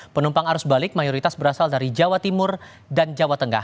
penumpang arus balik mayoritas berasal dari jawa timur dan jawa tengah